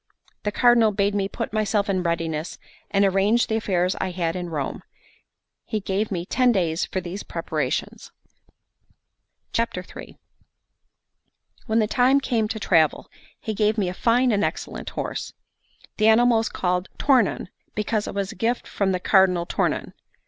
The Cardinal bade me put myself in readiness, and arrange the affairs I had in Rome. He gave me ten days for these preparations. Note 1. 'A chi l'ard avere.' For whomsoever it in going to belong to. III WHEN the time came to travel, he gave me a fine and excellent horse. The animal was called Tornon, because it was a gift from the Cardinal Tornon.